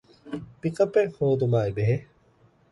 ޕިކަޕެއް ހޯދުމާބެހޭ